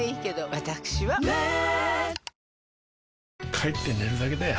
帰って寝るだけだよ